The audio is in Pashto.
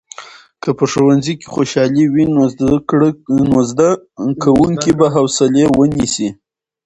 که په ښوونځي کې خوشالي وي، نو زده کوونکي به حوصلې ونیسي.